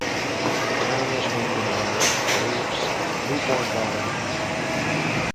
The town was named in honor of Graves' newborn daughter.